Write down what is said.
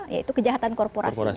yaitu kejahatan korporasinya